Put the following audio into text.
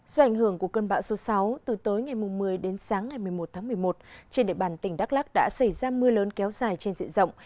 do ảnh hưởng của cơn bão số sáu từ tối ngày một mươi đến sáng ngày một mươi một tháng một mươi một trên địa bàn tỉnh đắk lắc đã xảy ra mưa lớn kéo dài trên diện rộng